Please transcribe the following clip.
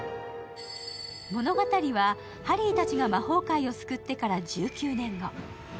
物語はハリーたちが魔法界を救ってから１９年後。